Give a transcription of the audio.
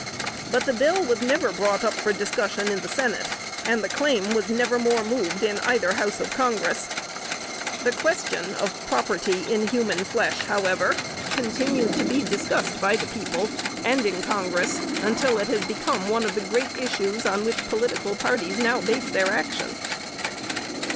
But the bill was never brought up for discussion in the Senate, and the claim was never more moved in either House of Congress. The question of property in human flesh, however, continued to be discussed by the people, and in Congress, until it has become one of the great issues on which political parties now base their action.